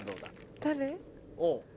誰？